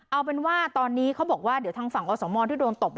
เอาเป็นว่าตอนนี้เขาบอกว่าเดี๋ยวทางฝั่งอสมที่โดนตบ